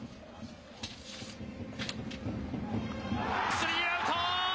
スリーアウト！